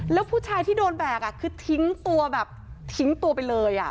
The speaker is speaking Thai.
แล้วผู้ชายที่โดนแบกคือทิ้งตัวแบบทิ้งตัวไปเลย